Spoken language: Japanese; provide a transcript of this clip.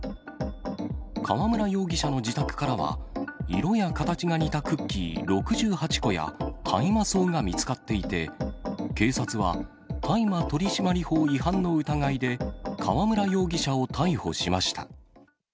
川村容疑者の自宅からは、色や形が似たクッキー６８個や、大麻草が見つかっていて、警察は大麻取締法違反の疑いで、川村容疑者を逮捕しました。